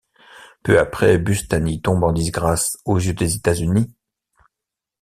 Peu après, Bustani tombe en disgrâce aux yeux des États-Unis.